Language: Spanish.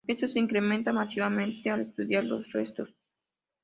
Esto se incrementa masivamente al estudiar los restos.